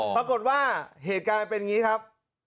ปรากฏว่าเหตุการณ์เป็นอย่างนี้ครับ